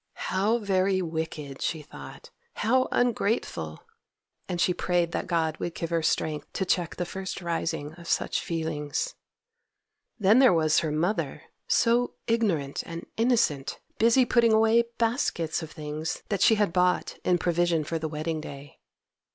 How very wicked! she thought; how ungrateful! and she prayed that God would give her strength to check the first rising of such feelings. Then there was her mother, so ignorant and innocent, busy putting away baskets of things that she had bought in provision for the wedding day.